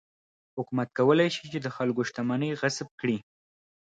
حکومت کولای شي چې د خلکو شتمنۍ غصب کړي.